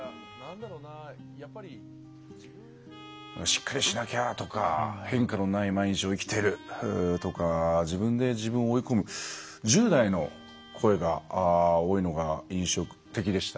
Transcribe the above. しっかりしなきゃとか変化のない毎日を生きてるとか自分で自分を追い込む１０代の声が多いのが印象的でしたね。